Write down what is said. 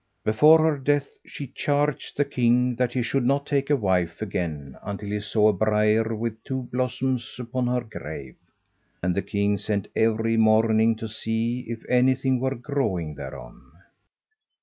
Before her death she charged the king that he should not take a wife again until he saw a briar with two blossoms upon her grave, and the king sent every morning to see if anything were growing thereon.